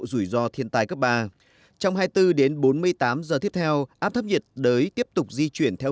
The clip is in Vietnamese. rủi ro thiên tai cấp ba trong hai mươi bốn đến bốn mươi tám giờ tiếp theo áp thấp nhiệt đới tiếp tục di chuyển theo